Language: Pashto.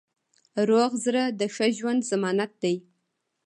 روغ زړه د ښه ژوند ضمانت دی.